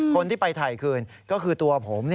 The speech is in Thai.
คนที่ไปถ่ายคืนก็คือตัวผม